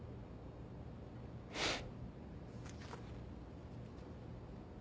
フッ。